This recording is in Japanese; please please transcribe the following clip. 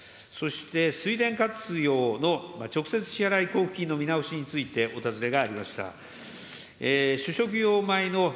そして、水田活用の直接支払い交付金の見直しについてお尋ねがありました。